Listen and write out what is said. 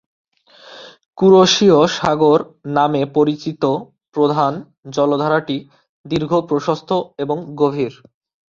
কুরোশিও সাগর নামে পরিচিত প্রধান জলাধারটি দীর্ঘ, প্রশস্ত এবং গভীর।